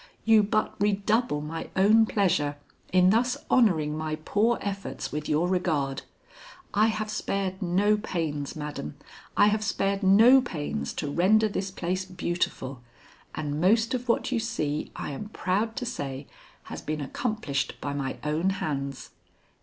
"You but redouble my own pleasure in thus honoring my poor efforts with your regard. I have spared no pains, madam, I have spared no pains to render this place beautiful, and most of what you see, I am proud to say, has been accomplished by my own hands."